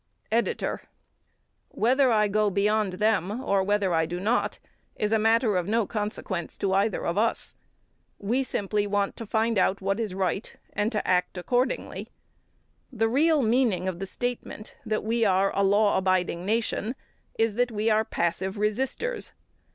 EDITOR: Whether I go beyond them or whether I do not, is a matter of no consequence to either of us. We simply want to find out what is right, and to act accordingly. The real meaning of the statement that we are a law abiding nation is that we are passive resisters.